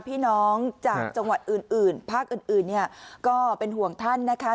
พี่น้องจากจังหวัดอื่นอื่นภาคอื่นอื่นเนี่ยก็เป็นห่วงท่านนะคะ